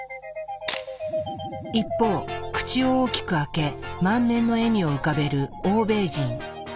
一方口を大きく開け満面の笑みを浮かべる欧米人。